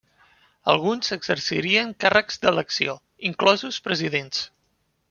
Alguns exercirien càrrecs d'elecció, inclosos presidents.